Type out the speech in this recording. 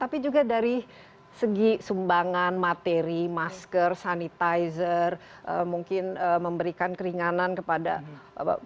tapi juga dari segi sumbangan materi masker sanitizer mungkin memberikan keringanan kepada masyarakat